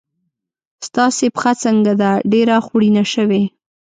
ستاسې پښه څنګه ده؟ ډېره خوړینه شوې.